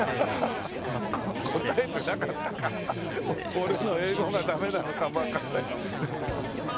俺の英語がダメなのかもわかんない。